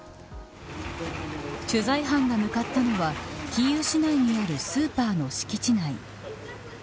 取材班が向かったのはキーウ市内にあるスーパーの敷地内。